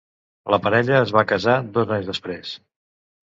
La parella es va casar dos anys després.